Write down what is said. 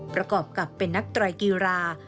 ประกอบกับเป็นนักไตรกีฬา